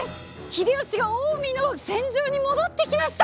秀吉が近江の戦場に戻ってきました！